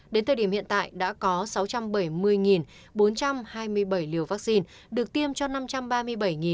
đến thời điểm hiện tại đã có sáu trăm bảy mươi bốn trăm hai mươi bảy liều vaccine được tiêm cho năm trăm ba mươi bảy ba trăm linh tám người